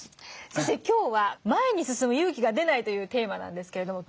今日は「前に進む勇気が出ない」というテーマなんですけれども。